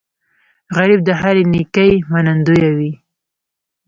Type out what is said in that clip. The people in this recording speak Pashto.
غریب د هرې نیکۍ منندوی وي